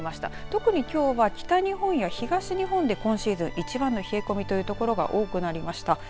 特に、きょうは北日本や東日本で今シーズン一番の冷え込みの所、多くなりました。